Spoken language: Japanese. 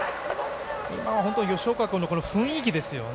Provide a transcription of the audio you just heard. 今は本当に吉岡君の雰囲気ですよね。